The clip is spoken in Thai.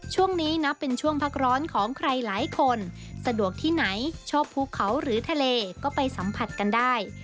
ช่วงนี้นับเป็นช่วงพักร้อนของใครหลายคนสะดวกที่ไหนชอบภูเขาหรือทะเลก็ไปสัมผัสกันได้